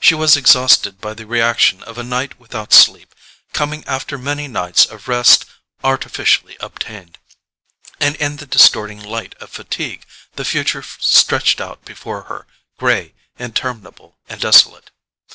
She was exhausted by the reaction of a night without sleep, coming after many nights of rest artificially obtained; and in the distorting light of fatigue the future stretched out before her grey, interminable and desolate.